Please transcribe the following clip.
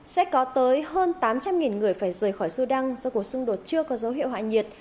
sẽ có tới hơn tám trăm linh người phải rời khỏi sudan do cuộc xung đột chưa có dấu hiệu hạ nhiệt